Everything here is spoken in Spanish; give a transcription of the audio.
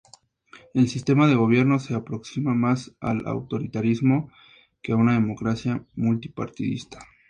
El sistema de gobierno se aproxima más al autoritarismo que a una democracia multipartidista.